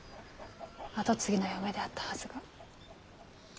跡継ぎの嫁であったはずが。